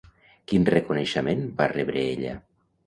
Quin reconeixement va rebre ella?